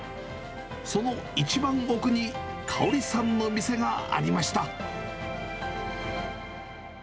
その一番奥に嘉織さんの店がありました。